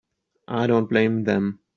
I don't blame them.